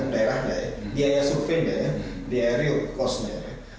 biaya surveinya biaya real cost nya